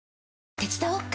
手伝おっか？